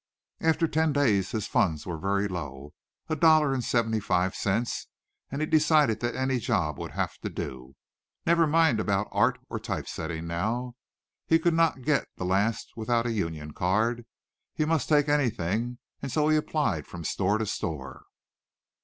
After ten days his funds were very low, a dollar and seventy five cents, and he decided that any job would have to do. Never mind about art or type setting now. He could not get the last without a union card, he must take anything, and so he applied from store to store.